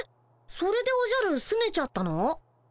それでおじゃるすねちゃったの？